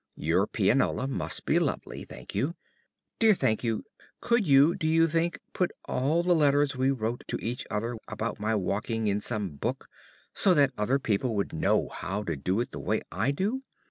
Your pianola must be lovely, Thankyou. Dear Thankyou, could you, do you think, put all the letters we wrote to each other about my walking in some book, so that other people would know how to do it the way I do?